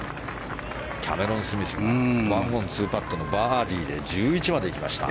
キャメロン・スミスが１オン２パットのバーディーで１１までいきました。